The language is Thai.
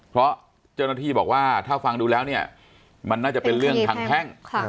เพราะเจ้าหน้าที่บอกว่าถ้าฟังดูแล้วเนี่ยมันน่าจะเป็นเรื่องทางแพ่ง